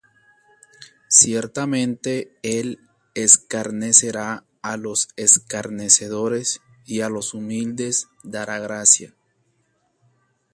Ciertamente él escarnecerá á los escarnecedores, Y á los humildes dará gracia.